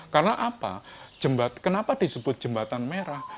karena apa kenapa disebut jembatan merah